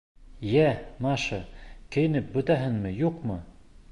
— Йә, Маша, кейенеп бөтәһеңме, юҡмы?